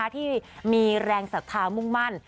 ที่มีแรงศรัทธามุ่งมั่น